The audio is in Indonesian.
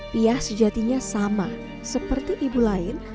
piah sejatinya sama seperti ibu lain